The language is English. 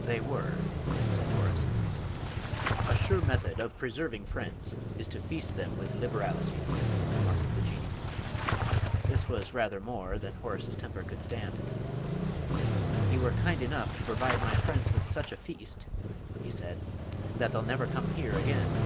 "They were," said Horace. "A sure method of preserving friends is to feast them with liberality," remarked the Jinnee. This was rather more than Horace's temper could stand. "You were kind enough to provide my friends with such a feast," he said, "that they'll never come here again."